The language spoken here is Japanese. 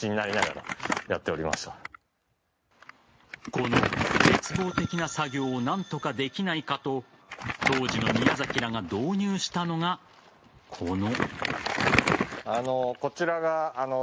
この絶望的な作業を何とかできないかと当時の宮崎らが導入したのがこの。